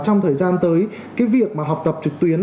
trong thời gian tới cái việc mà học tập trực tuyến